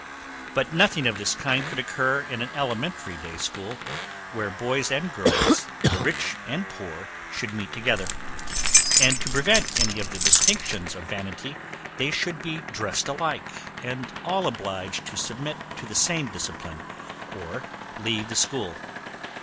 But nothing of this kind could occur in an elementary day school, where boys and girls, the rich and poor, should meet together. And to prevent any of the distinctions of vanity, they should be dressed alike, and all obliged to submit to the same discipline, or leave the school.